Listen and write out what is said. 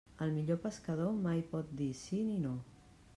El millor pescador mai pot dir sí ni no.